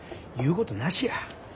言うことなしや。